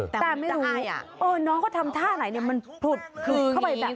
แต่ไม่รู้น้องเขาทำท่าไหนมันผลุดเข้าไปแบบนี้